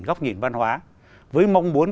góc nhìn văn hóa với mong muốn